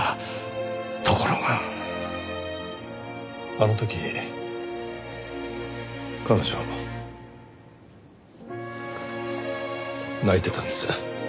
あの時彼女泣いてたんです。